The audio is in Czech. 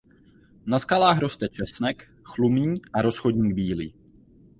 Na skalách roste česnek chlumní a rozchodník bílý.